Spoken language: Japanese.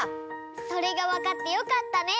それがわかってよかったね！